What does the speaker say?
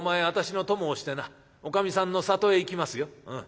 私の供をしてなおかみさんの里へ行きますよ。